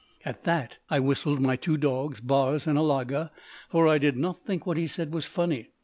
"At that I whistled my two dogs, Bars and Alaga, for I did not think what he said was funny.